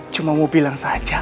cuma mau bilang saja